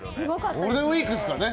ゴールデンウィークですからね。